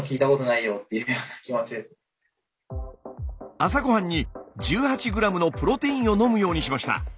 朝ごはんに１８ｇのプロテインを飲むようにしました。